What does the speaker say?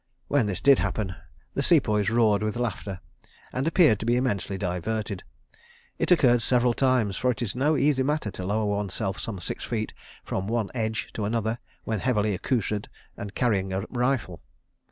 When this did happen, the Sepoys roared with laughter and appeared to be immensely diverted. It occurred several times, for it is no easy matter to lower oneself some six feet, from one edge to another, when heavily accoutred and carrying a rifle.